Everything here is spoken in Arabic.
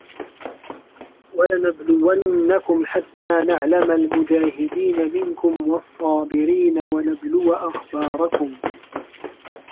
وَلَنَبلُوَنَّكُم حَتّى نَعلَمَ المُجاهِدينَ مِنكُم وَالصّابِرينَ وَنَبلُوَ أَخبارَكُم